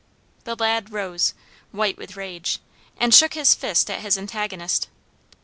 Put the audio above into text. The lad rose, white with rage, and shook his fist at his antagonist.